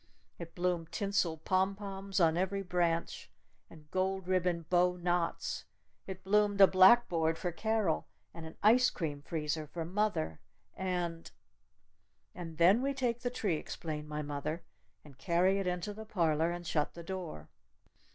It bloomed tinsel pompons on every branch! And gold ribbon bow knots! It bloomed a blackboard for Carol! And an ice cream freezer for mother! And " "And then we take the tree," explained my mother, "and carry it into the parlor. And shut the door."